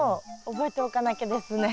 覚えておかなきゃですね。